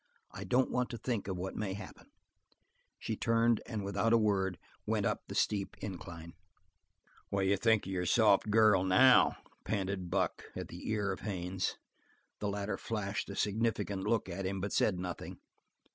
I don't want to think of what may happen." She turned without a word and went up the steep incline. "What d'you think of your soft girl now?" panted Buck at the ear of Haines. The latter flashed a significant look at him but said nothing.